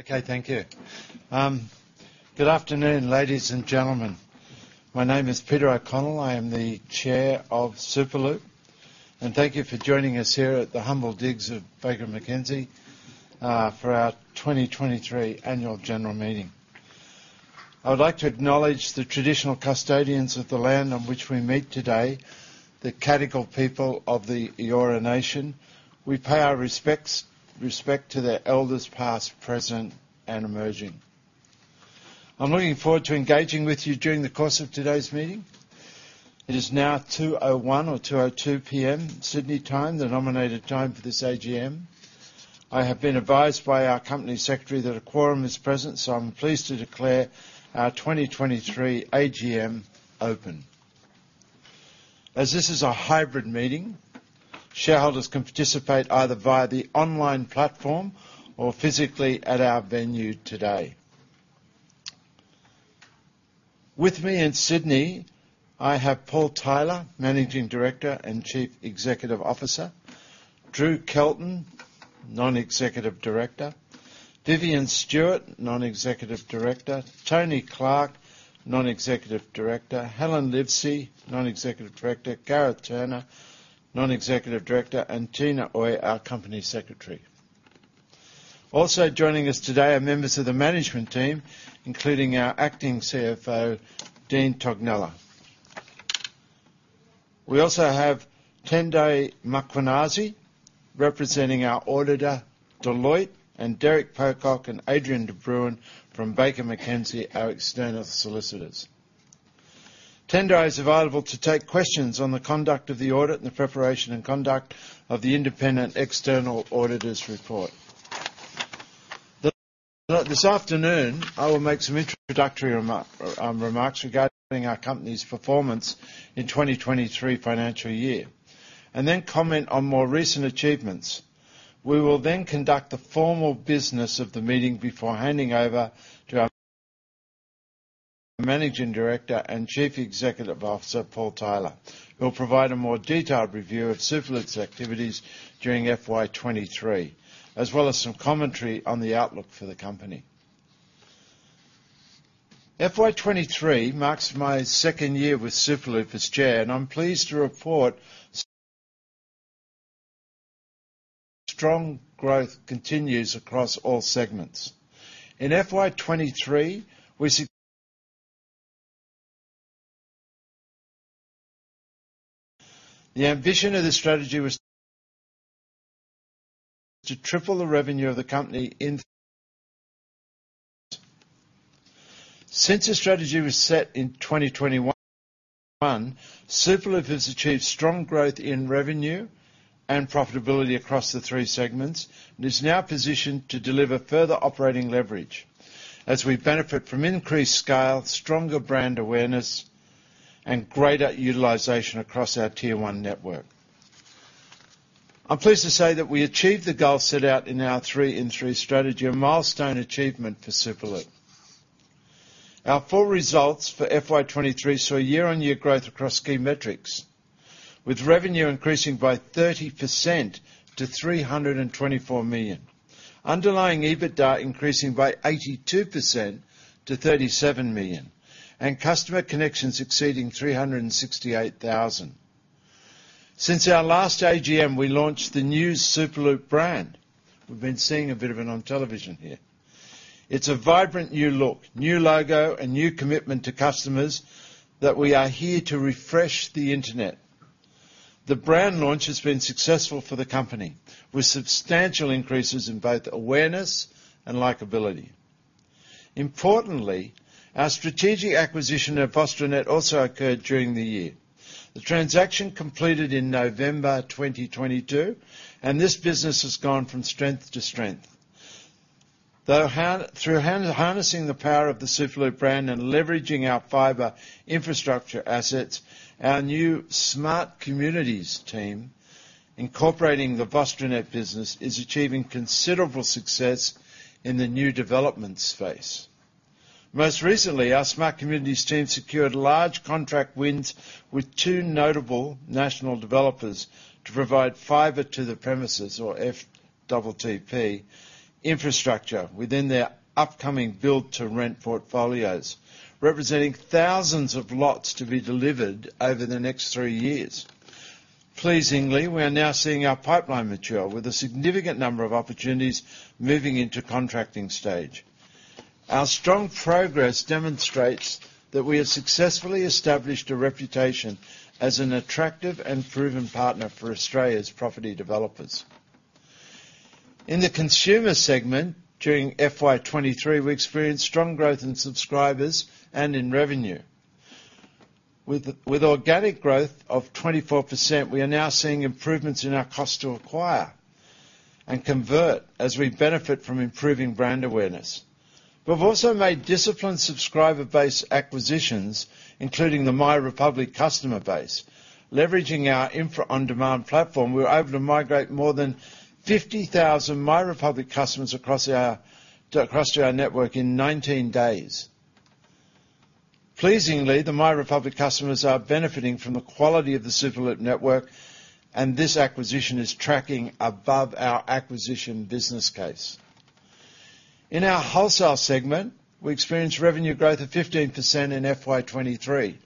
Okay, thank you. Good afternoon, ladies and gentlemen. My name is Peter O'Connell. I am the Chair of Superloop, and thank you for joining us here at the humble digs of Baker McKenzie for our 2023 annual general meeting. I would like to acknowledge the traditional custodians of the land on which we meet today, the Cadigal people of the Eora Nation. We pay our respects to their elders, past, present, and emerging. I'm looking forward to engaging with you during the course of today's meeting. It is now 2:01 PM or 2:02 PM. Sydney time, the nominated time for this AGM. I have been advised by our company secretary that a quorum is present, so I'm pleased to declare our 2023 AGM open. As this is a hybrid meeting, shareholders can participate either via the online platform or physically at our venue today. With me in Sydney, I have Paul Tyler, Managing Director and Chief Executive Officer, Drew Kelton, Non-Executive Director, Vivian Stewart, Non-Executive Director, Tony Clark, Non-Executive Director, Helen Livesey, Non-Executive Director, Gareth Turner, Non-Executive Director, and Tina Ooi, our Company Secretary. Also joining us today are members of the management team, including our acting CFO, Dean Tognella. We also have Tendai Mkwananzi, representing our Auditor, Deloitte, and Derek Pocock and Adrian de Bruin from Baker McKenzie, our external solicitors. Tendai is available to take questions on the conduct of the audit and the preparation and conduct of the independent external auditors' report. This afternoon, I will make some introductory remarks regarding our company's performance in 2023 financial year, and then comment on more recent achievements. We will then conduct the formal business of the meeting before handing over to our Managing Director and Chief Executive Officer, Paul Tyler, who will provide a more detailed review of Superloop's activities during FY 2023, as well as some commentary on the outlook for the company. FY 2023 marks my second year with Superloop as Chair, and I'm pleased to report strong growth continues across all segments. In FY 2023, we see... The ambition of this strategy was to triple the revenue of the company in... Since the strategy was set in 2021, Superloop has achieved strong growth in revenue and profitability across the three segments and is now positioned to deliver further operating leverage as we benefit from increased scale, stronger brand awareness, and greater utilization across our Tier 1 network. I'm pleased to say that we achieved the goal set out in our Three-in-Three strategy, a milestone achievement for Superloop. Our full results for FY 2023 saw a year-on-year growth across key metrics, with revenue increasing by 30% to 324 million, underlying EBITDA increasing by 82% to 37 million, and customer connections exceeding 368,000. Since our last AGM, we launched the new Superloop brand. We've been seeing a bit of it on television here. It's a vibrant new look, new logo, and new commitment to customers that we are here to refresh the Internet. The brand launch has been successful for the company, with substantial increases in both awareness and likability. Importantly, our strategic acquisition of VostroNet also occurred during the year. The transaction completed in November 2022, and this business has gone from strength to strength. Through harnessing the power of the Superloop brand and leveraging our fiber infrastructure assets, our new Smart Communities team, incorporating the VostroNet business, is achieving considerable success in the new development space. Most recently, our Smart Communities team secured large contract wins with two notable national developers to provide fiber to the premises, or FTTP, infrastructure within their upcoming build-to-rent portfolios, representing thousands of lots to be delivered over the next three years. Pleasingly, we are now seeing our pipeline mature, with a significant number of opportunities moving into contracting stage. Our strong progress demonstrates that we have successfully established a reputation as an attractive and proven partner for Australia's property developers. In the consumer segment, during FY 2023, we experienced strong growth in subscribers and in revenue. With organic growth of 24%, we are now seeing improvements in our cost to acquire and convert as we benefit from improving brand awareness. We've also made disciplined subscriber base acquisitions, including the MyRepublic customer base. Leveraging our Infra-on-Demand platform, we were able to migrate more than 50,000 MyRepublic customers across to our network in 19 days. Pleasingly, the MyRepublic customers are benefiting from the quality of the Superloop network, and this acquisition is tracking above our acquisition business case. In our wholesale segment, we experienced revenue growth of 15% in FY 2023,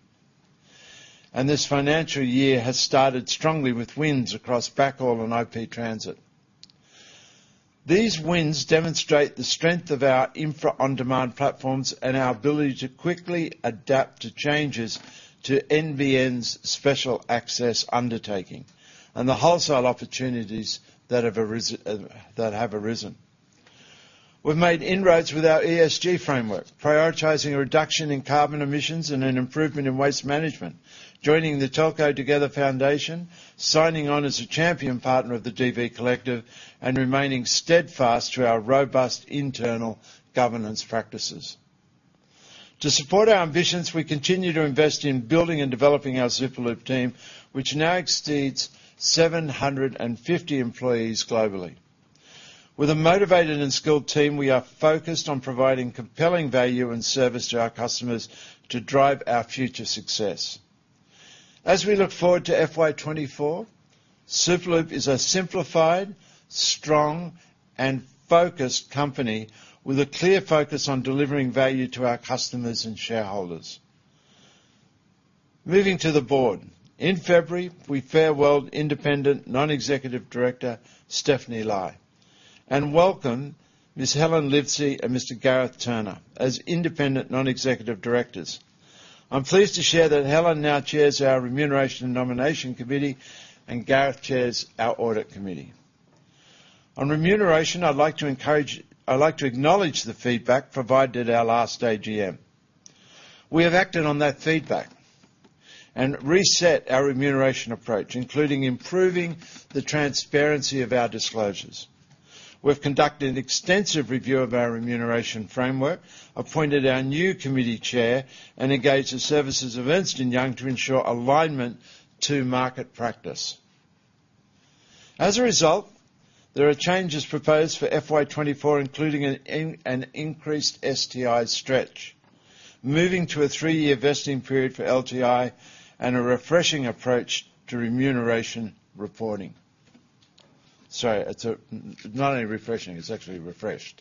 and this financial year has started strongly with wins across backhaul and IP transit. These wins demonstrate the strength of our Infra-on-Demand platforms and our ability to quickly adapt to changes to NBN's Special Access Undertaking, and the wholesale opportunities that have arisen. We've made inroads with our ESG framework, prioritizing a reduction in carbon emissions and an improvement in waste management, joining the Telco Together Foundation, signing on as a champion partner of the DV Collective, and remaining steadfast to our robust internal governance practices. To support our ambitions, we continue to invest in building and developing our Superloop team, which now exceeds 750 employees globally. With a motivated and skilled team, we are focused on providing compelling value and service to our customers to drive our future success. As we look forward to FY 2024, Superloop is a simplified, strong, and focused company with a clear focus on delivering value to our customers and shareholders. Moving to the board. In February, we farewelled independent Non-Executive Director, Stephanie Lai, and welcomed Ms. Helen Livesey and Mr. Gareth Turner as independent Non-Executive Directors. I'm pleased to share that Helen now chairs our Remuneration and Nomination Committee, and Gareth chairs our Audit Committee. On remuneration, I'd like to acknowledge the feedback provided at our last AGM. We have acted on that feedback and reset our remuneration approach, including improving the transparency of our disclosures. We've conducted an extensive review of our remuneration framework, appointed our new Committee Chair, and engaged the services of Ernst & Young to ensure alignment to market practice. As a result, there are changes proposed for FY 2024, including an increased STI stretch, moving to a three-year vesting period for LTI, and a refreshing approach to remuneration reporting. Sorry, it's a not only refreshing, it's actually refreshed.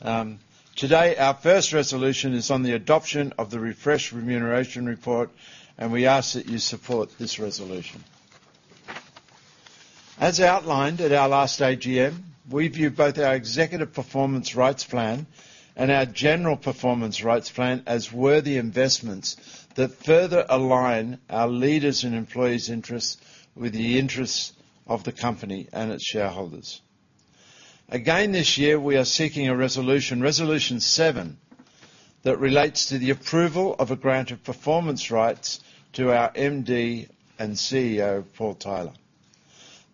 Today, our first resolution is on the adoption of the refreshed remuneration report, and we ask that you support this resolution. As outlined at our last AGM, we view both our executive performance rights plan and our general performance rights plan as worthy investments that further align our leaders' and employees' interests with the interests of the company and its shareholders. Again, this year, we are seeking a resolution, Resolution 7, that relates to the approval of a grant of performance rights to our MD and CEO, Paul Tyler.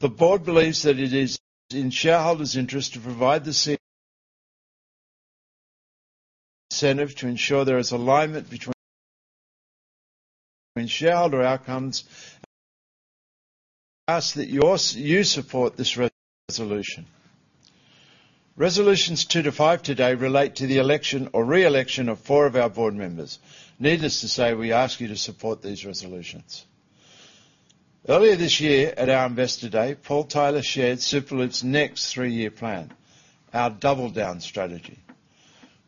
The board believes that it is in shareholders' interest to provide the CEO incentive to ensure there is alignment between shareholder outcomes. Ask that you support this resolution. Resolutions 2 to Resolution 5 today relate to the election or re-election of four of our board members. Needless to say, we ask you to support these resolutions. Earlier this year, at our Investor Day, Paul Tyler shared Superloop's next three-year plan, our Double Down strategy,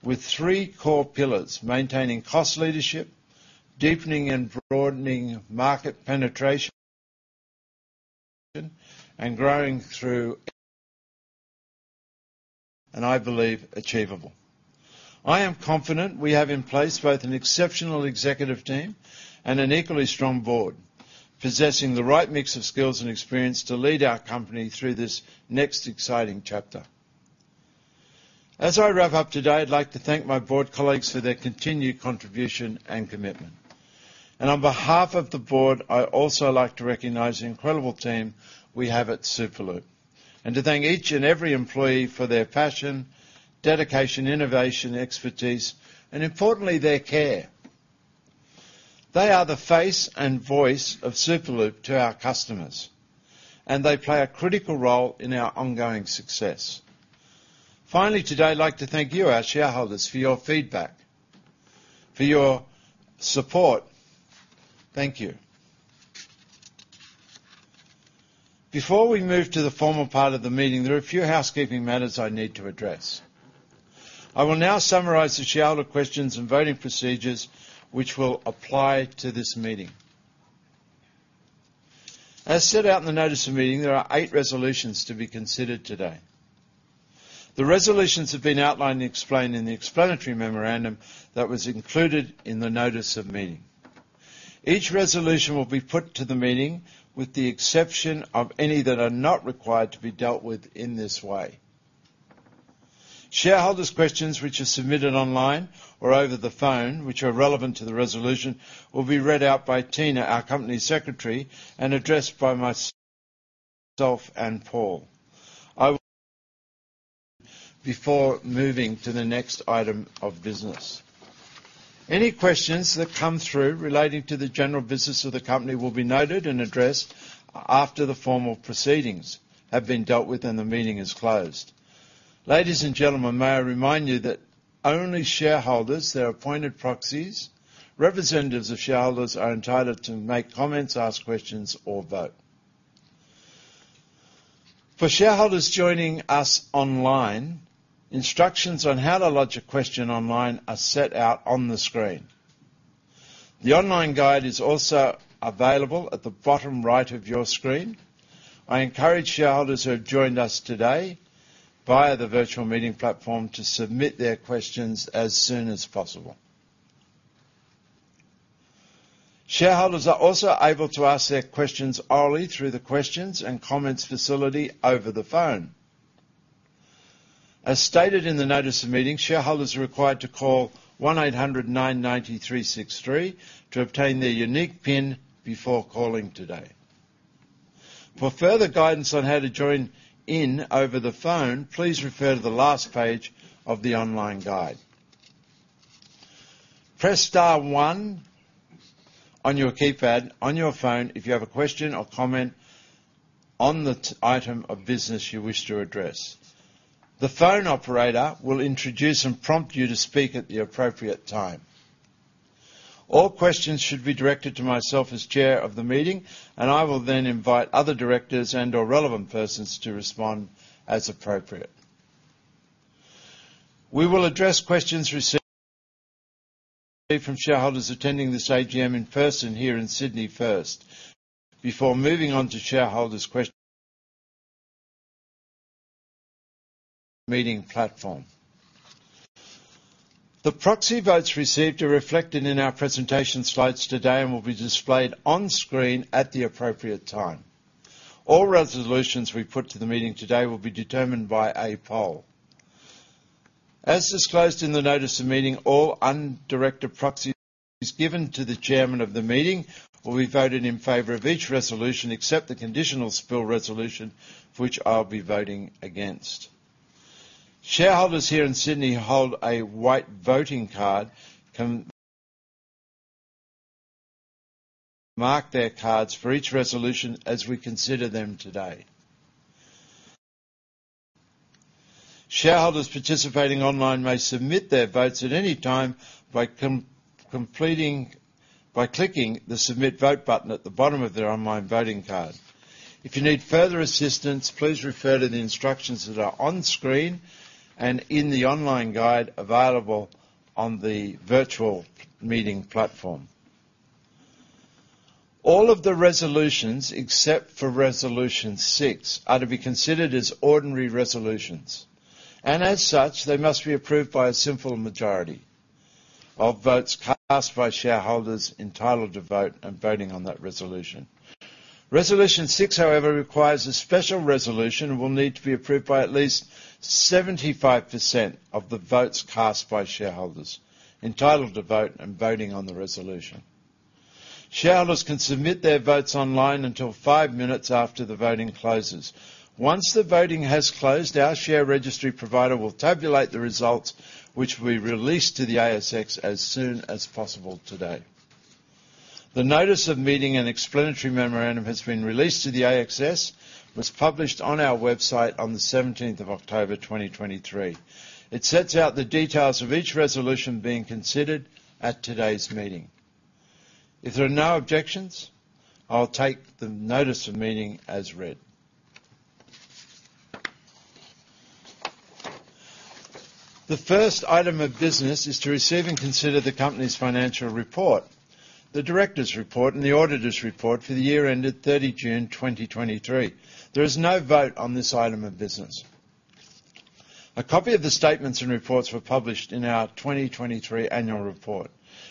with three core pillars: maintaining cost leadership, deepening and broadening market penetration, and growing through.... And I believe, achievable. I am confident we have in place both an exceptional executive team and an equally strong board, possessing the right mix of skills and experience to lead our company through this next exciting chapter. As I wrap up today, I'd like to thank my board colleagues for their continued contribution and commitment. On behalf of the board, I also like to recognize the incredible team we have at Superloop, and to thank each and every employee for their passion, dedication, innovation, expertise, and importantly, their care. They are the face and voice of Superloop to our customers, and they play a critical role in our ongoing success. Finally, today, I'd like to thank you, our shareholders, for your feedback, for your support. Thank you. Before we move to the formal part of the meeting, there are a few housekeeping matters I need to address. I will now summarize the shareholder questions and voting procedures which will apply to this meeting. As set out in the notice of meeting, there are eight resolutions to be considered today. The resolutions have been outlined and explained in the explanatory memorandum that was included in the notice of meeting. Each resolution will be put to the meeting, with the exception of any that are not required to be dealt with in this way. Shareholders' questions which are submitted online or over the phone, which are relevant to the resolution, will be read out by Tina, our Company Secretary, and addressed by myself and Paul. I will... Before moving to the next item of business. Any questions that come through relating to the general business of the company will be noted and addressed after the formal proceedings have been dealt with, and the meeting is closed. Ladies and gentlemen, may I remind you that only shareholders, their appointed proxies, representatives of shareholders are entitled to make comments, ask questions, or vote. For shareholders joining us online, instructions on how to lodge a question online are set out on the screen. The online guide is also available at the bottom right of your screen. I encourage shareholders who have joined us today via the virtual meeting platform to submit their questions as soon as possible. Shareholders are also able to ask their questions orally through the questions and comments facility over the phone. As stated in the notice of meeting, shareholders are required to call 1800-993-663 to obtain their unique PIN before calling today. For further guidance on how to join in over the phone, please refer to the last page of the online guide. Press star one on your keypad on your phone if you have a question or comment on the item of business you wish to address. The phone operator will introduce and prompt you to speak at the appropriate time. All questions should be directed to myself as Chair of the meeting, and I will then invite other Directors and or relevant persons to respond as appropriate. We will address questions received from shareholders attending this AGM in person here in Sydney first, before moving on to shareholders' questions on the meeting platform. The proxy votes received are reflected in our presentation slides today and will be displayed on screen at the appropriate time. All resolutions we put to the meeting today will be determined by a poll. As disclosed in the notice of meeting, all undirected proxies given to the chairman of the meeting will be voted in favor of each resolution, except the conditional spill resolution, which I'll be voting against. Shareholders here in Sydney who hold a white voting card can mark their cards for each resolution as we consider them today. Shareholders participating online may submit their votes at any time by clicking the Submit Vote button at the bottom of their online voting card. If you need further assistance, please refer to the instructions that are on screen and in the online guide available on the virtual meeting platform. All of the resolutions, except for Resolution 6, are to be considered as ordinary resolutions, and as such, they must be approved by a simple majority of votes cast by shareholders entitled to vote and voting on that resolution. Resolution 6, however, requires a special resolution and will need to be approved by at least 75% of the votes cast by shareholders entitled to vote and voting on the resolution. Shareholders can submit their votes online until five minutes after the voting closes. Once the voting has closed, our share registry provider will tabulate the results, which will be released to the ASX as soon as possible today. The notice of meeting and explanatory memorandum has been released to the ASX, was published on our website on the October 17th, 2023. It sets out the details of each resolution being considered at today's meeting. If there are no objections, I'll take the notice of meeting as read. The first item of business is to receive and consider the company's financial report, the Directors' report, and the auditors' report for the year ended June 30, 2023. There is no vote on this item of business. A copy of the statements and reports were published in our 2023 annual report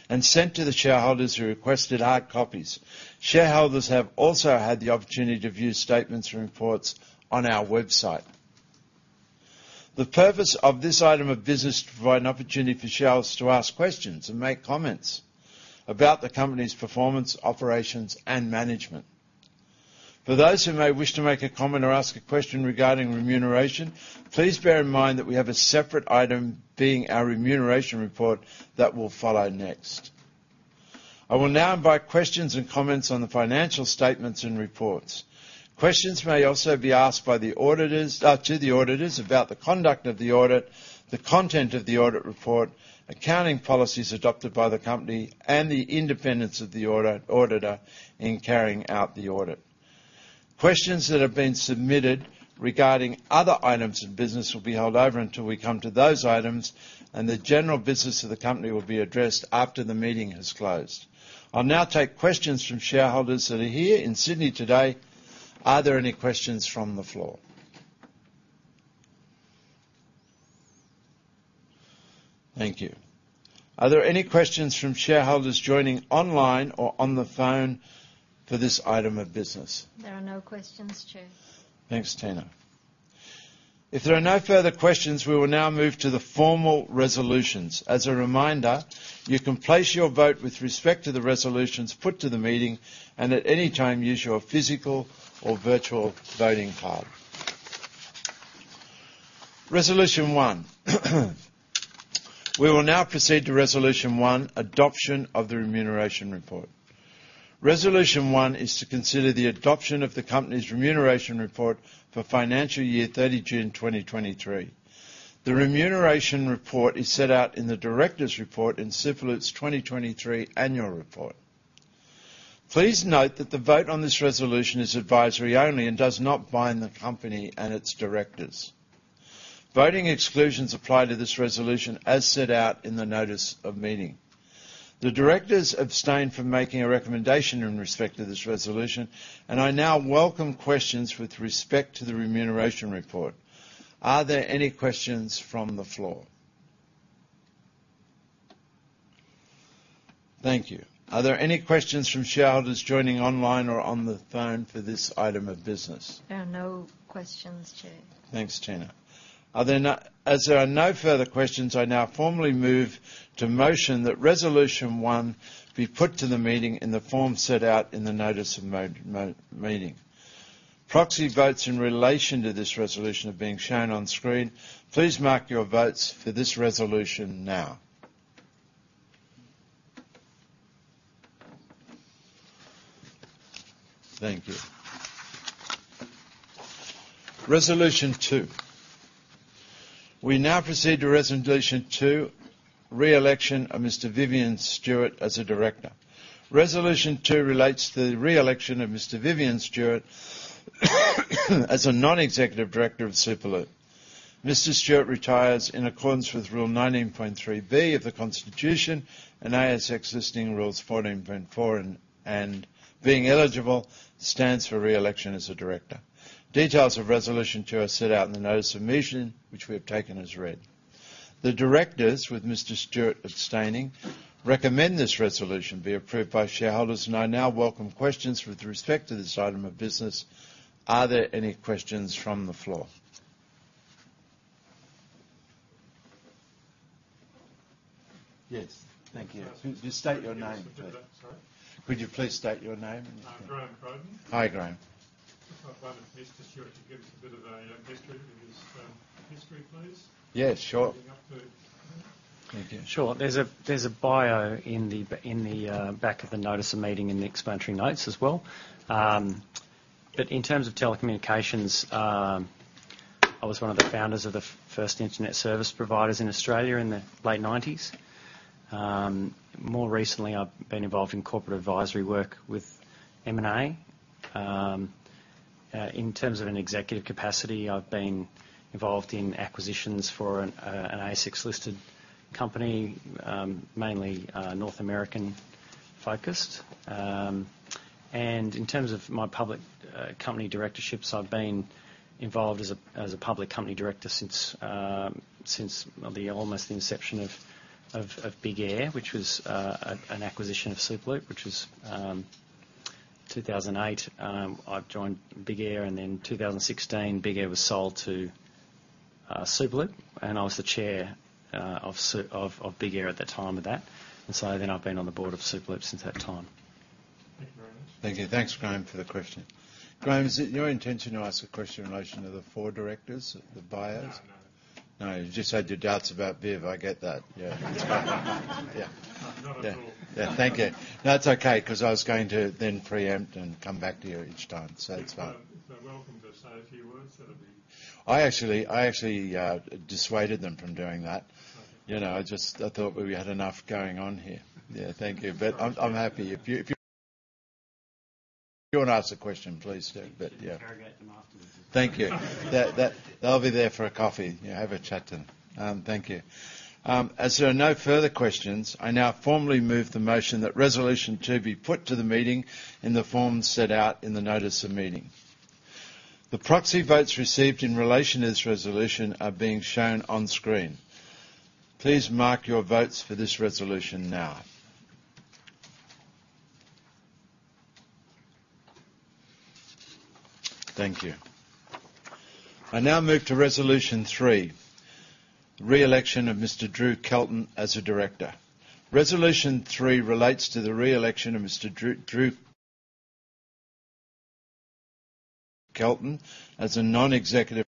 and sent to the shareholders who requested hard copies. Shareholders have also had the opportunity to view statements and reports on our website. The purpose of this item of business is to provide an opportunity for shareholders to ask questions and make comments about the company's performance, operations, and management. For those who may wish to make a comment or ask a question regarding remuneration, please bear in mind that we have a separate item, being our remuneration report, that will follow next. I will now invite questions and comments on the financial statements and reports. Questions may also be asked by the auditors to the auditors about the conduct of the audit, the content of the audit report, accounting policies adopted by the company, and the independence of the auditor in carrying out the audit. Questions that have been submitted regarding other items of business will be held over until we come to those items, and the general business of the company will be addressed after the meeting has closed. I'll now take questions from shareholders that are here in Sydney today. Are there any questions from the floor? Thank you. Are there any questions from shareholders joining online or on the phone for this item of business? There are no questions, Chair. Thanks, Tina. If there are no further questions, we will now move to the formal resolutions. As a reminder, you can place your vote with respect to the resolutions put to the meeting, and at any time, use your physical or virtual voting card. Resolution 1. We will now proceed to Resolution 1: Adoption of the Remuneration Report. Resolution 1 is to consider the adoption of the company's remuneration report for financial year June 30 2023. The remuneration report is set out in the Directors' report in Superloop's 2023 annual report. Please note that the vote on this resolution is advisory only and does not bind the company and its Directors. Voting exclusions apply to this resolution as set out in the notice of meeting. The Directors abstain from making a recommendation in respect to this resolution, and I now welcome questions with respect to the remuneration report. Are there any questions from the floor? Thank you. Are there any questions from shareholders joining online or on the phone for this item of business? There are no questions, Chair. Thanks, Tina. As there are no further questions, I now formally move to motion that resolution one be put to the meeting in the form set out in the notice of meeting. Proxy votes in relation to this resolution are being shown on screen. Please mark your votes for this resolution now. Thank you. Resolution 2. We now proceed to Resolution 2: Re-election of Mr Vivian Stewart as a Director. Resolution 2 relates to the re-election of Mr Vivian Stewart as a Non-Executive Director of Superloop. Mr. Stewart retires in accordance with Rule 19.3B of the Constitution and ASX Listing Rules 14.4, and, and being eligible, stands for re-election as a Director. Details of Resolution 2 are set out in the notice of meeting, which we have taken as read. The Directors, with Mr. Stewart abstaining, recommend this resolution be approved by shareholders, and I now welcome questions with respect to this item of business. Are there any questions from the floor? Yes. Thank you. Yes. Just state your name, please. Sorry. Could you please state your name? Graham Crowden. Hi, Graham. Just want to invite Mr. Stewart to give us a bit of a history with his history, please. Yes, sure. Leading up to... Thank you. Sure. There's a bio in the back of the notice of meeting and the explanatory notes as well. But in terms of telecommunications, I was one of the founders of the first Internet service providers in Australia in the late 1990s. More recently, I've been involved in Corporate Advisory work with M&A. In terms of an executive capacity, I've been involved in acquisitions for an ASX-listed company, mainly North American-focused. And in terms of my public company directorships, I've been involved as a Public Company Director since almost the inception of BigAir, which was an acquisition of Superloop, which was 2008. I've joined BigAir, and then 2016, BigAir was sold to Superloop, and I was the Chair of BigAir at the time of that. So I've been on the board of Superloop since that time. Thank you very much. Thank you. Thanks, Graham, for the question. Graham, is it your intention to ask a question in relation to the four Directors, the bios? No. No, you just had your doubts about Viv. I get that. Yeah. It's fine. Yeah. Not at all. Yeah. Thank you. No, it's okay, 'cause I was going to then preempt and come back to you each time, so it's fine. They're welcome to say a few words, that would be. I actually dissuaded them from doing that. Okay. You know, I just. I thought we had enough going on here. Yeah. Thank you. But I'm happy if you, if you. If you want to ask the question, please do. But, yeah. Interrogate them after the. Thank you. That. They'll be there for a coffee. Yeah, have a chat then. Thank you. As there are no further questions, I now formally move the motion that Resolution 2 be put to the meeting in the form set out in the notice of meeting. The proxy votes received in relation to this resolution are being shown on screen. Please mark your votes for this resolution now. Thank you. I now move to Resolution 3: Re-election of Mr. Drew Kelton as a Director. Resolution 3 relates to the re-election of Mr. Drew, Drew Kelton as a Non-Executive...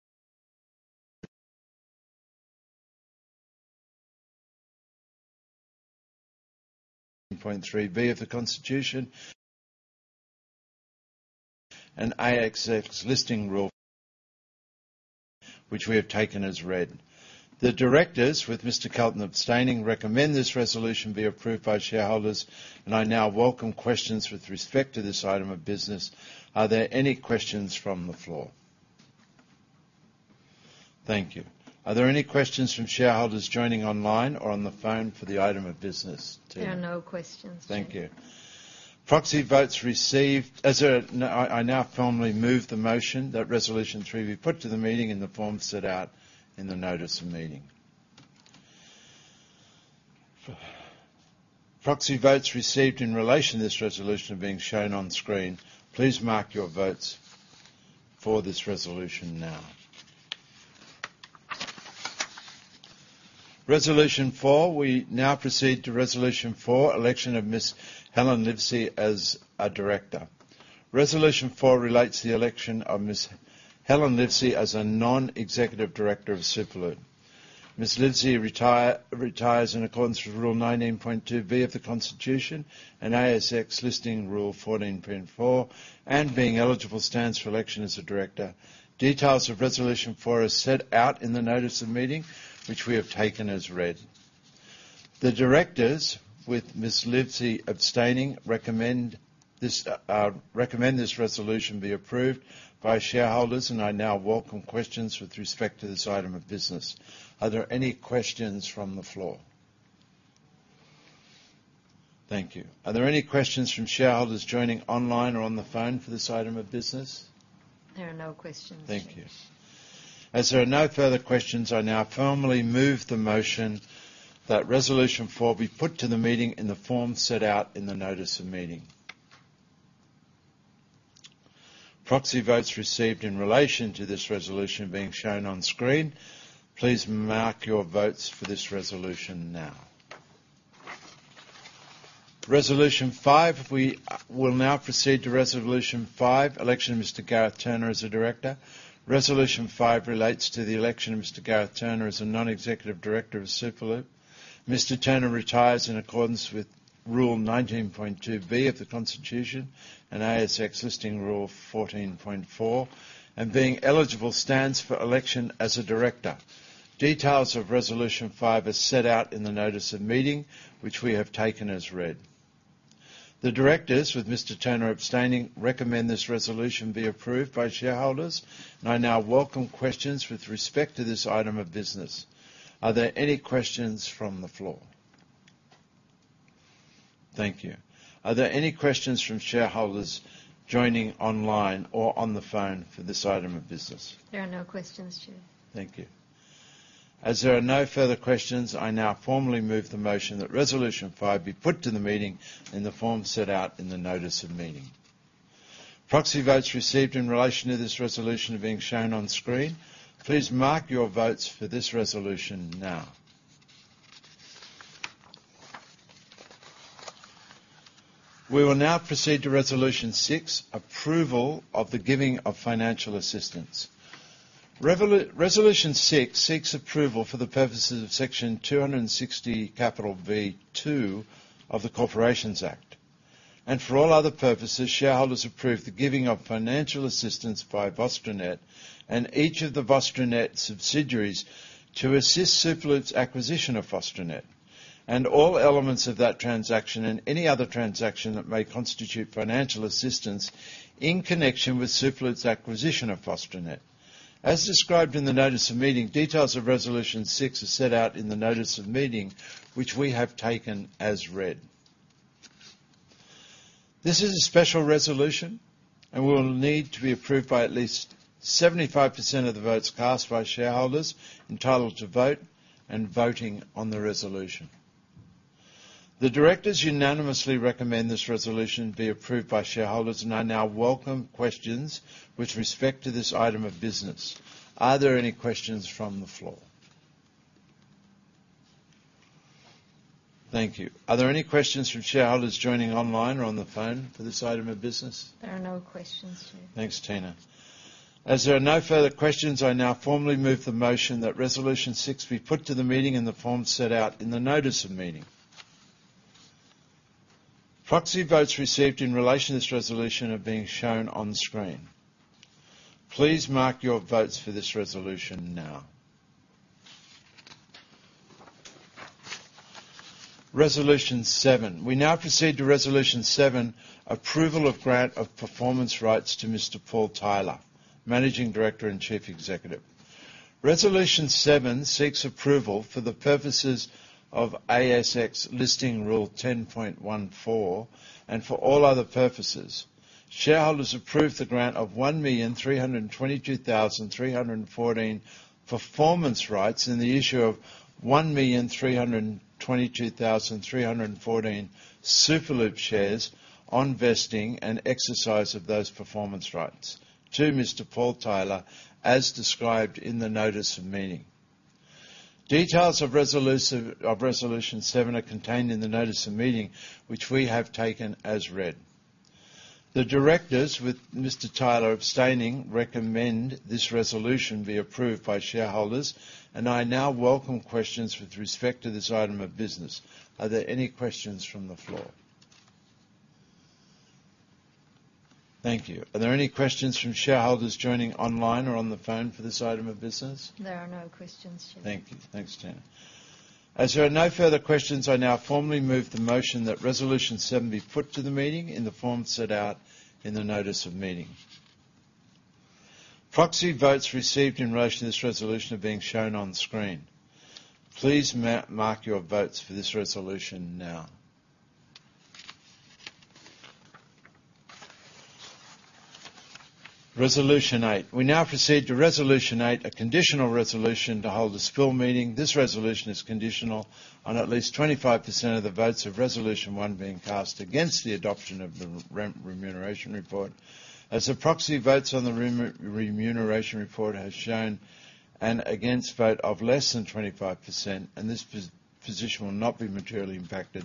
point 3B of the Constitution, and ASX Listing Rule, which we have taken as read. The Directors, with Mr. Kelton abstaining, recommend this resolution be approved by shareholders, and I now welcome questions with respect to this item of business. Are there any questions from the floor? Thank you. Are there any questions from shareholders joining online or on the phone for the item of business, Tina? There are no questions, Chair. Thank you. Proxy votes received. I now formally move the motion that Resolution 3 be put to the meeting in the form set out in the notice of meeting. Proxy votes received in relation to this resolution are being shown on screen. Please mark your votes for this resolution now. Resolution 4. We now proceed to Resolution 4: Election of Ms. Helen Livesey as a Director. Resolution 4 relates to the election of Ms. Helen Livesey as a Non-Executive Director of Superloop. Ms. Livesey retires in accordance with Rule 19.2B of the Constitution and ASX Listing Rule 14.4, and being eligible, stands for election as a Director. Details of Resolution four are set out in the notice of meeting, which we have taken as read. The Directors, with Ms. Livesey abstaining, recommend this, recommend this resolution be approved by shareholders, and I now welcome questions with respect to this item of business. Are there any questions from the floor? Thank you. Are there any questions from shareholders joining online or on the phone for this item of business? There are no questions. Thank you. As there are no further questions, I now formally move the motion that Resolution 4 be put to the meeting in the form set out in the notice of meeting. Proxy votes received in relation to this resolution are being shown on screen. Please mark your votes for this resolution now. Resolution five. We will now proceed to Resolution 5, election of Mr. Gareth Turner as a Director. Resolution 5 relates to the election of Mr. Gareth Turner as a Non-Executive Director of Superloop. Mr. Turner retires in accordance with Rule 19.2B of the Constitution and ASX Listing Rule 14.4, and being eligible, stands for election as a Director. Details of Resolution 5 are set out in the notice of meeting, which we have taken as read. The Directors, with Mr. Turner abstaining, recommend this resolution be approved by shareholders, and I now welcome questions with respect to this item of business. Are there any questions from the floor? Thank you. Are there any questions from shareholders joining online or on the phone for this item of business? There are no questions, Chair. Thank you. As there are no further questions, I now formally move the motion that Resolution 5 be put to the meeting in the form set out in the notice of meeting. Proxy votes received in relation to this resolution are being shown on screen. Please mark your votes for this resolution now. We will now proceed to Resolution 6: Approval of the giving of financial assistance. Resolution 6 seeks approval for the purposes of Section 260(2) of the Corporations Act, and for all other purposes, shareholders approve the giving of financial assistance by VostroNet and each of the VostroNet subsidiaries to assist Superloop's acquisition of VostroNet, and all elements of that transaction and any other transaction that may constitute financial assistance in connection with Superloop's acquisition of VostroNet. As described in the notice of meeting, details of Resolution 6 are set out in the notice of meeting, which we have taken as read. This is a special resolution and will need to be approved by at least 75% of the votes cast by shareholders entitled to vote and voting on the resolution. The Directors unanimously recommend this resolution be approved by shareholders, and I now welcome questions with respect to this item of business. Are there any questions from the floor? Thank you. Are there any questions from shareholders joining online or on the phone for this item of business? There are no questions, Chair. Thanks, Tina. As there are no further questions, I now formally move the motion that Resolution six be put to the meeting in the form set out in the notice of meeting. Proxy votes received in relation to this resolution are being shown on screen. Please mark your votes for this resolution now. Resolution 7. We now proceed to Resolution 7: Approval of grant of performance rights to Mr. Paul Tyler, Managing Director and Chief Executive. Resolution 7 seeks approval for the purposes of ASX Listing Rule 10.14, and for all other purposes, shareholders approve the grant of 1,322,314 performance rights in the issue of 1,322,314 Superloop shares on vesting and exercise of those performance rights to Mr. Paul Tyler, as described in the notice of meeting. Details of Resolution seven are contained in the notice of meeting, which we have taken as read. The Directors, with Mr. Tyler abstaining, recommend this resolution be approved by shareholders, and I now welcome questions with respect to this item of business. Are there any questions from the floor? Thank you. Are there any questions from shareholders joining online or on the phone for this item of business? There are no questions, Chair. Thank you. Thanks, Tina. As there are no further questions, I now formally move the motion that Resolution 7 be put to the meeting in the form set out in the notice of meeting. Proxy votes received in relation to this resolution are being shown on screen. Please mark your votes for this resolution now. Resolution 8. We now proceed to Resolution 8, a conditional resolution to hold a spill meeting. This resolution is conditional on at least 25% of the votes of Resolution 1 being cast against the adoption of the remuneration report. As the proxy votes on the remuneration report has shown an against vote of less than 25%, and this position will not be materially impacted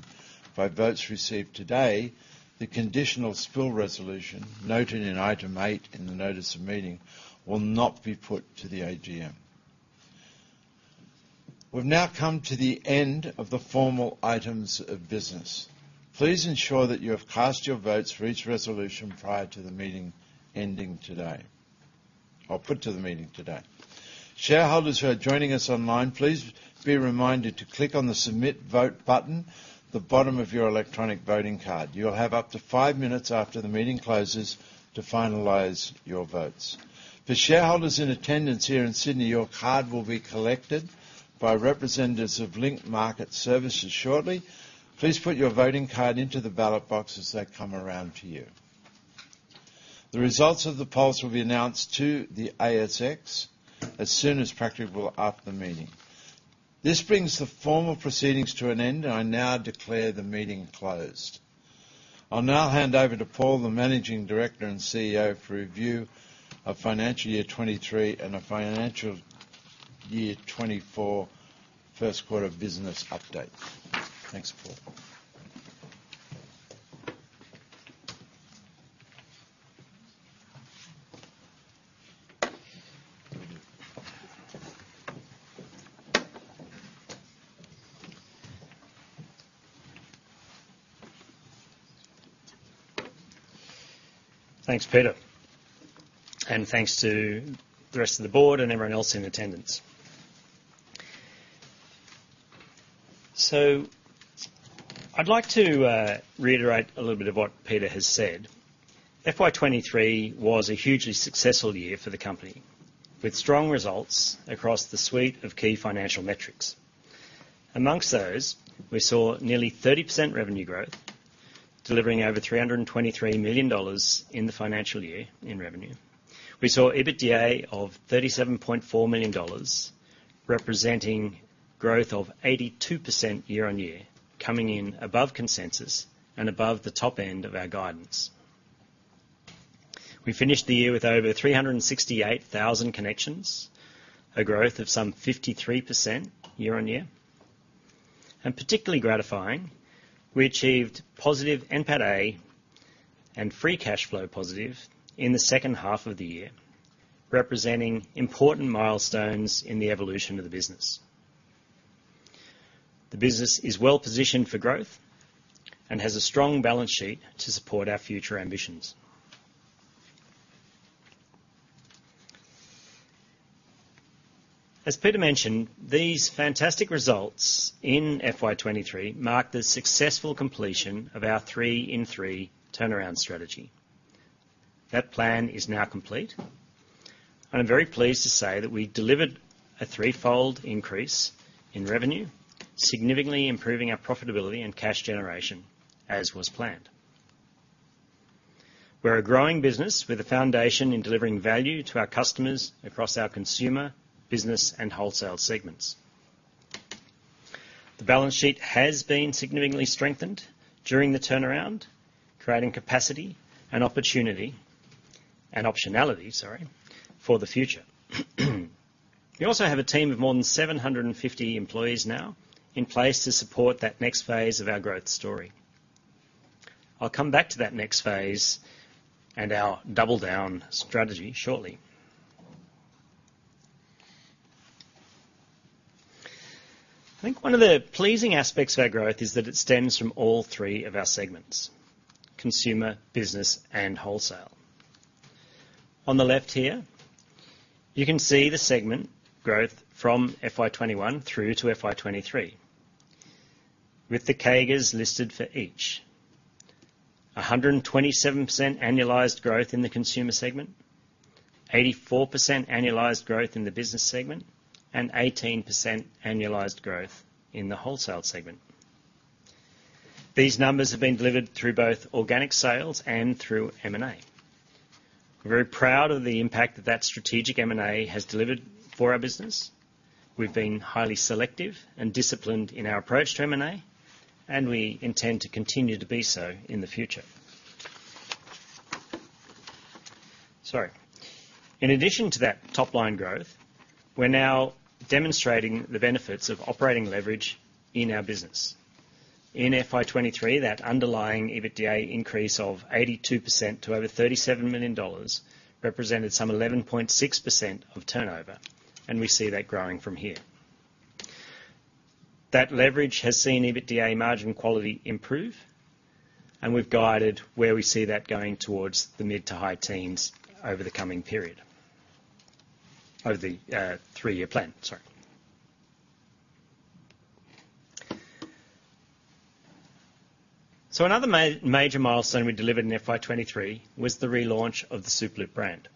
by votes received today, the conditional spill resolution noted in item eight in the notice of meeting will not be put to the AGM. We've now come to the end of the formal items of business. Please ensure that you have cast your votes for each resolution prior to the meeting ending today or put to the meeting today. Shareholders who are joining us online, please be reminded to click on the Submit Vote button, the bottom of your electronic voting card. You'll have up to five minutes after the meeting closes to finalize your votes. For shareholders in attendance here in Sydney, your card will be collected by representatives of Link Market Services shortly. Please put your voting card into the ballot boxes that come around to you. The results of the polls will be announced to the ASX as soon as practicable after the meeting. This brings the formal proceedings to an end, and I now declare the meeting closed. I'll now hand over to Paul, the Managing Director and CEO, for a review of financial year 2023 and a financial year 2024 first quarter business update. Thanks, Paul. Thanks, Peter, and thanks to the rest of the board and everyone else in attendance. So I'd like to reiterate a little bit of what Peter has said. FY 2023 was a hugely successful year for the company, with strong results across the suite of key financial metrics. Amongst those, we saw nearly 30% revenue growth, delivering over 323 million dollars in the financial year in revenue. We saw EBITDA of 37.4 million dollars, representing growth of 82% year-on-year, coming in above consensus and above the top end of our guidance. We finished the year with over 368,000 connections, a growth of some 53% year-on-year. And particularly gratifying, we achieved positive NPATA and free cash flow positive in the second half of the year, representing important milestones in the evolution of the business. The business is well positioned for growth and has a strong balance sheet to support our future ambitions. As Peter mentioned, these fantastic results in FY 2023 marked the successful completion of our Three-in-Three turnaround strategy. That plan is now complete, and I'm very pleased to say that we delivered a threefold increase in revenue, significantly improving our profitability and cash generation, as was planned. We're a growing business with a foundation in delivering value to our customers across our consumer, business, and wholesale segments. The balance sheet has been significantly strengthened during the turnaround, creating capacity and opportunity... and optionality, sorry, for the future. We also have a team of more than 750 employees now in place to support that next phase of our growth story. I'll come back to that next phase and our double down strategy shortly. I think one of the pleasing aspects of our growth is that it stems from all three of our segments: consumer, business, and wholesale. On the left here, you can see the segment growth from FY 2021 through to FY 2023, with the CAGRs listed for each. 127% annualized growth in the consumer segment, 84% annualized growth in the business segment, and 18% annualized growth in the wholesale segment. These numbers have been delivered through both organic sales and through M&A. We're very proud of the impact that that strategic M&A has delivered for our business. We've been highly selective and disciplined in our approach to M&A, and we intend to continue to be so in the future. Sorry. In addition to that top-line growth, we're now demonstrating the benefits of operating leverage in our business. In FY 2023, that underlying EBITDA increase of 82% to over 37 million dollars represented some 11.6% of turnover, and we see that growing from here. That leverage has seen EBITDA margin quality improve, and we've guided where we see that going towards the mid- to high teens over the coming period, over the three-year plan, sorry. So another major milestone we delivered in FY 2023 was the relaunch of the Superloop brand.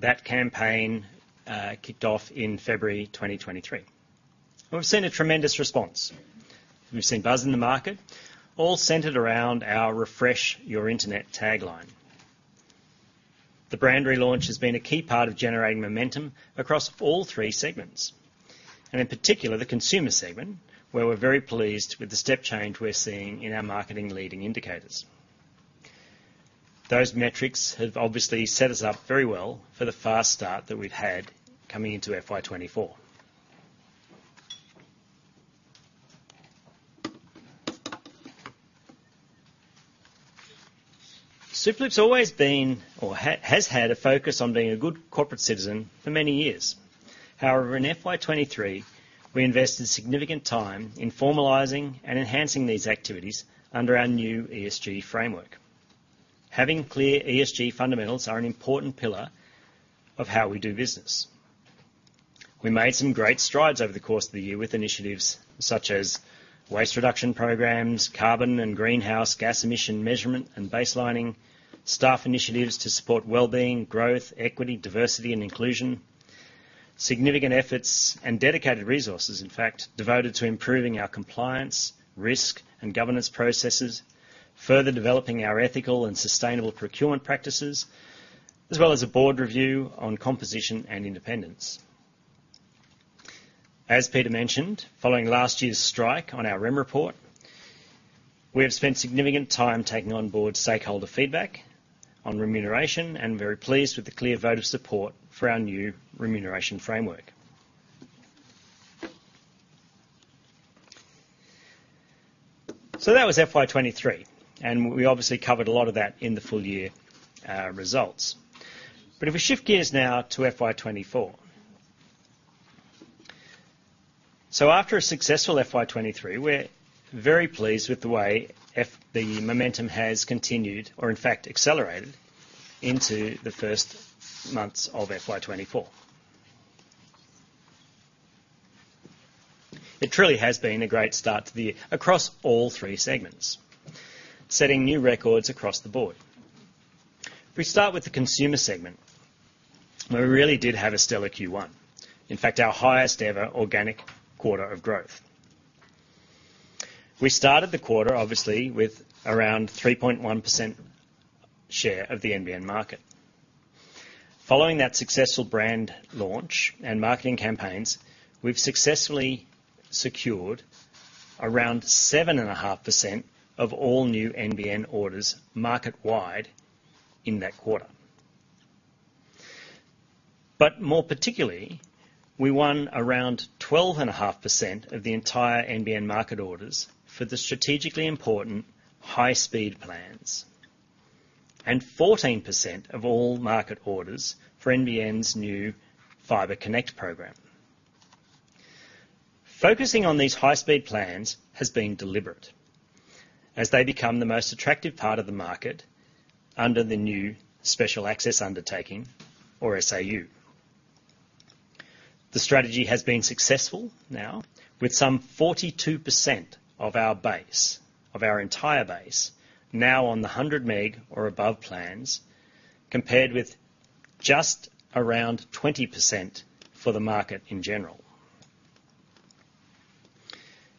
That campaign kicked off in February 2023. We've seen a tremendous response. We've seen buzz in the market, all centered around our Refresh Your Internet tagline.... The brand relaunch has been a key part of generating momentum across all three segments, and in particular, the consumer segment, where we're very pleased with the step change we're seeing in our marketing leading indicators. Those metrics have obviously set us up very well for the fast start that we've had coming into FY 2024. Superloop's always been or has had a focus on being a good corporate citizen for many years. However, in FY 2023, we invested significant time in formalizing and enhancing these activities under our new ESG framework. Having clear ESG fundamentals are an important pillar of how we do business. We made some great strides over the course of the year with initiatives such as waste reduction programs, carbon and greenhouse gas emission measurement and baselining, staff initiatives to support wellbeing, growth, equity, diversity and inclusion, significant efforts and dedicated resources, in fact, devoted to improving our compliance, risk, and governance processes, further developing our ethical and sustainable procurement practices, as well as a board review on composition and independence. As Peter mentioned, following last year's strike on our REM report, we have spent significant time taking on board stakeholder feedback on remuneration, and very pleased with the clear vote of support for our new remuneration framework. So that was FY 2023, and we obviously covered a lot of that in the full year results. But if we shift gears now to FY 2024. So after a successful FY 2023, we're very pleased with the way the momentum has continued or in fact accelerated into the first months of FY 2024. It truly has been a great start to the year across all three segments, setting new records across the board. If we start with the consumer segment, where we really did have a stellar Q1, in fact, our highest-ever organic quarter of growth. We started the quarter, obviously, with around 3.1% share of the NBN market. Following that successful brand launch and marketing campaigns, we've successfully secured around 7.5% of all new NBN orders market-wide in that quarter. But more particularly, we won around 12.5% of the entire NBN market orders for the strategically important high-speed plans, and 14% of all market orders for NBN's new Fibre Connect program. Focusing on these high-speed plans has been deliberate as they become the most attractive part of the market under the new Special Access Undertaking or SAU. The strategy has been successful now with some 42% of our base, of our entire base, now on the 100 Meg or above plans, compared with just around 20% for the market in general.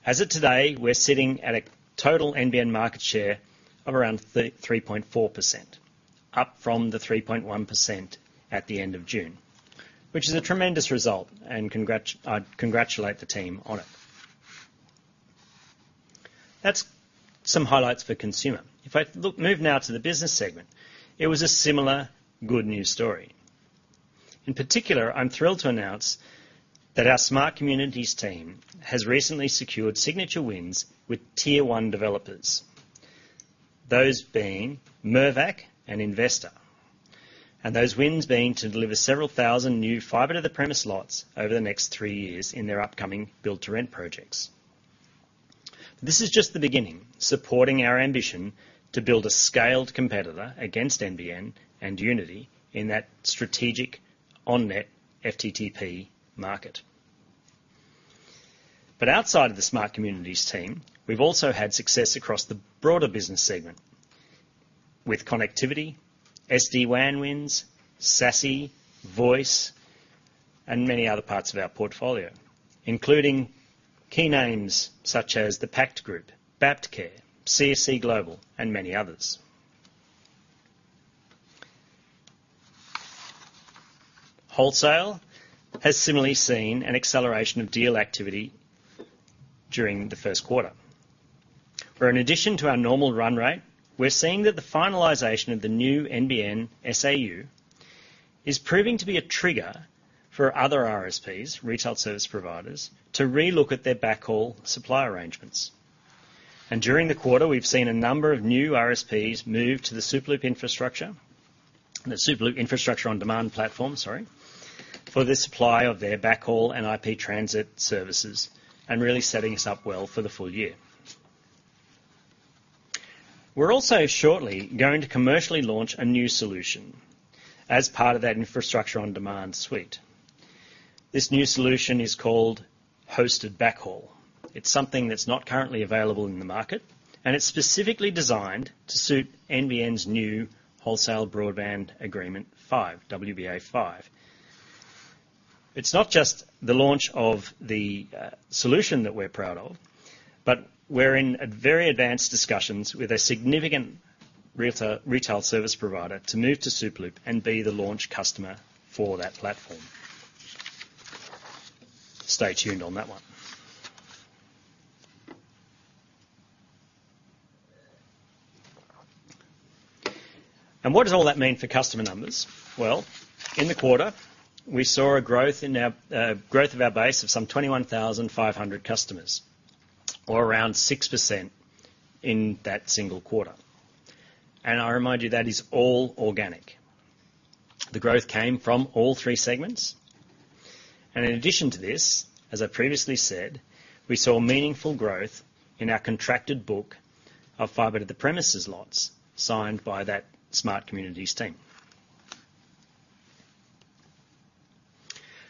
As of today, we're sitting at a total NBN market share of around 3.4%, up from the 3.1% at the end of June, which is a tremendous result, and I congratulate the team on it. That's some highlights for consumer. Move now to the business segment, it was a similar good news story. In particular, I'm thrilled to announce that our Smart Communities team has recently secured signature wins with Tier 1 developers, those being Mirvac and Investor. And those wins being to deliver several thousand new fiber to the premise lots over the next three years in their upcoming build-to-rent projects. This is just the beginning, supporting our ambition to build a scaled competitor against NBN and Unity in that strategic on-net FTTP market. But outside of the Smart Communities team, we've also had success across the broader business segment with connectivity, SD-WAN wins, SASE, Voice, and many other parts of our portfolio, including key names such as the Pact Group, Baptistcare, CSC Global, and many others. Wholesale has similarly seen an acceleration of deal activity during the first quarter, where in addition to our normal run rate, we're seeing that the finalization of the new NBN SAU is proving to be a trigger for other RSPs, Retail Service Providers, to relook at their backhaul supply arrangements. And during the quarter, we've seen a number of new RSPs move to the Superloop infrastructure, the Superloop Infrastructure on Demand platform, sorry, for the supply of their backhaul and IP transit services, and really setting us up well for the full year. We're also shortly going to commercially launch a new solution as part of that Infrastructure on Demand suite. This new solution is called Hosted Backhaul. It's something that's not currently available in the market, and it's specifically designed to suit NBN's new Wholesale Broadband Agreement 5, WBA 5. It's not just the launch of the solution that we're proud of, but we're in a very advanced discussions with a significant retail service provider to move to Superloop and be the launch customer for that platform. Stay tuned on that one. And what does all that mean for customer numbers? Well, in the quarter, we saw a growth in our growth of our base of some 21,500 customers, or around 6% in that single quarter. And I remind you, that is all organic. The growth came from all three segments. In addition to this, as I previously said, we saw meaningful growth in our contracted book of fiber to the premises lots signed by that Smart Communities team.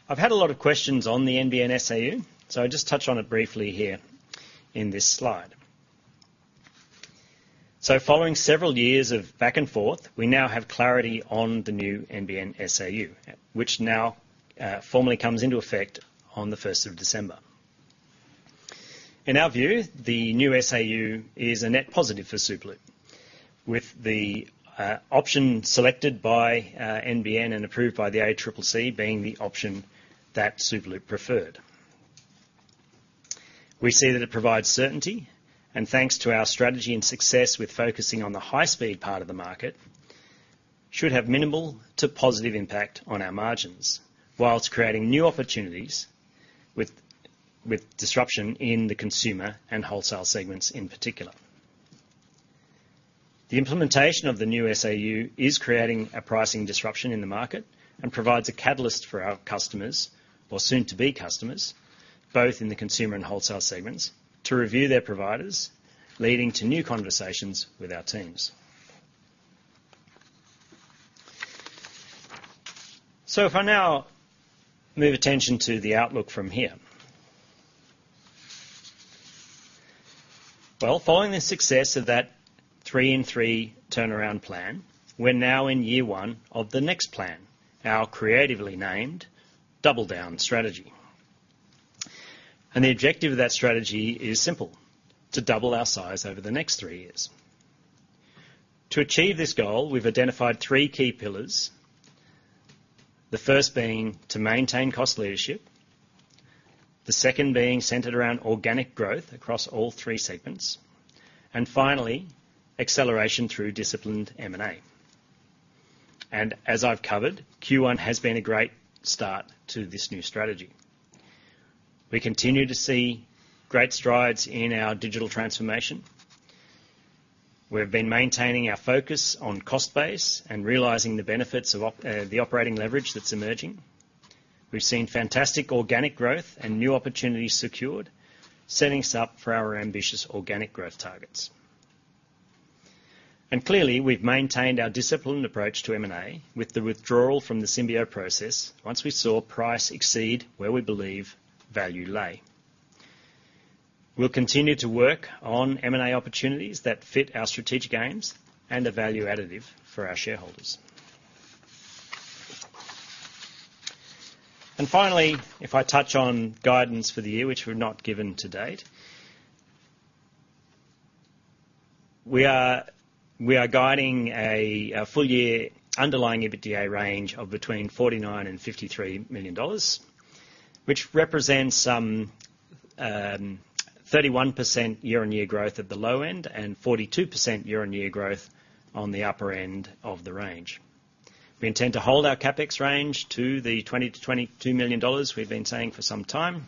I've had a lot of questions on the NBN SAU, so I'll just touch on it briefly here in this slide. Following several years of back and forth, we now have clarity on the new NBN SAU, which now formally comes into effect on the first of December. In our view, the new SAU is a net positive for Superloop, with the option selected by NBN and approved by the ACCC being the option that Superloop preferred. We see that it provides certainty, and thanks to our strategy and success with focusing on the high-speed part of the market, should have minimal to positive impact on our margins, while creating new opportunities with disruption in the consumer and wholesale segments, in particular. The implementation of the new SAU is creating a pricing disruption in the market and provides a catalyst for our customers, or soon-to-be customers, both in the consumer and wholesale segments, to review their providers, leading to new conversations with our teams. So if I now move attention to the outlook from here. Well, following the success of that three-in-three turnaround plan, we're now in year one of the next plan, our creatively named Double Down strategy. The objective of that strategy is simple: to double our size over the next three years. To achieve this goal, we've identified three key pillars. The first being to maintain cost leadership, the second being centered around organic growth across all three segments, and finally, acceleration through disciplined M&A. As I've covered, Q1 has been a great start to this new strategy. We continue to see great strides in our digital transformation. We've been maintaining our focus on cost base and realizing the benefits of the operating leverage that's emerging. We've seen fantastic organic growth and new opportunities secured, setting us up for our ambitious organic growth targets. Clearly, we've maintained our disciplined approach to M&A with the withdrawal from the Symbio process once we saw price exceed where we believe value lay. We'll continue to work on M&A opportunities that fit our strategic aims and are value additive for our shareholders. Finally, if I touch on guidance for the year, which we've not given to date. We are guiding a full-year underlying EBITDA range of between 49 million and 53 million dollars, which represents 31% year-on-year growth at the low end and 42% year-on-year growth on the upper end of the range. We intend to hold our CapEx range to the 20 million-22 million dollars we've been saying for some time,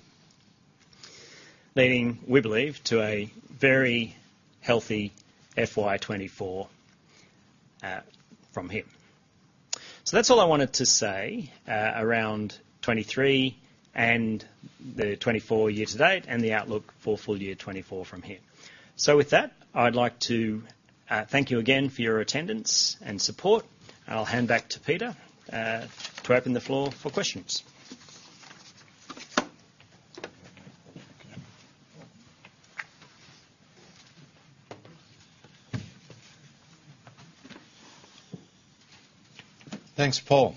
leading, we believe, to a very healthy FY 2024 from here. So that's all I wanted to say around 2023 and the 2024 year to date and the outlook for full year 2024 from here. So with that, I'd like to thank you again for your attendance and support. I'll hand back to Peter to open the floor for questions. Thanks, Paul.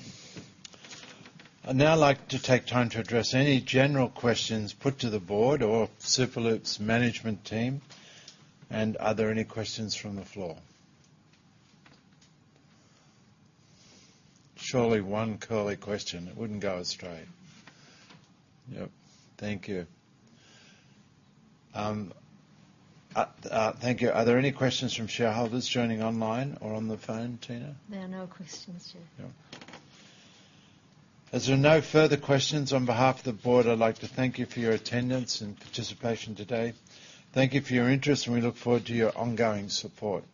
I'd now like to take time to address any general questions put to the board or Superloop's management team. Are there any questions from the floor? Surely one curly question, it wouldn't go astray. Yep. Thank you. Thank you. Are there any questions from shareholders joining online or on the phone, Tina? There are no questions, sir. Yeah. As there are no further questions, on behalf of the board, I'd like to thank you for your attendance and participation today. Thank you for your interest, and we look forward to your ongoing support.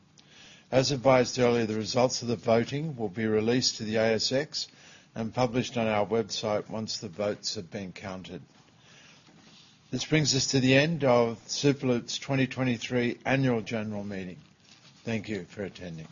As advised earlier, the results of the voting will be released to the ASX and published on our website once the votes have been counted. This brings us to the end of Superloop's 2023 Annual General Meeting. Thank you for attending.